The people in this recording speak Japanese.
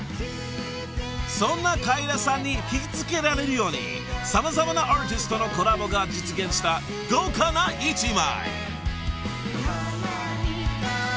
［そんなカエラさんに引き付けられるように様々なアーティストのコラボが実現した豪華な一枚］